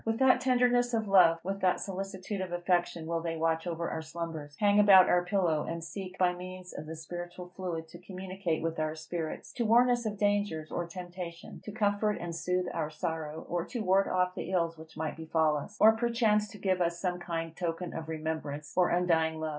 With what tenderness of love, with what solicitude of affection will they watch over our slumbers, hang about our pillow, and seek, by means of the spiritual fluid, to communicate with our spirits, to warn us of dangers or temptation, to comfort and soothe our sorrow, or to ward off the ills which might befall us, or perchance to give us some kind token of remembrance or undying love!